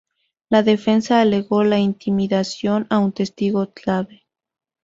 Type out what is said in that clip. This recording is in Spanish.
La defensa alegó la intimidación a un testigo clave.